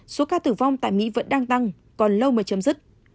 số ca tử vong tại mỹ vẫn đang tăng còn lâu mới chấm dứt